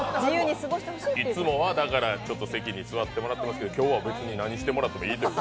いつもは席に座ってもらってますけど今日は何してもらってもいいという。